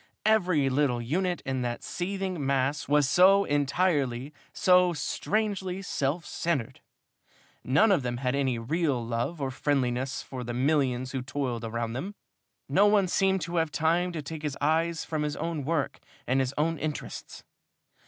Every little unit in that seething mass was so entirely, so strangely self centered. None of them had any real love or friendliness for the millions who toiled around them, no one seemed to have time to take his eyes from his own work and his own interests.